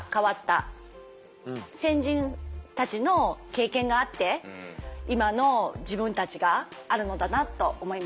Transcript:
先人たちの経験があって今の自分たちがあるのだなと思います。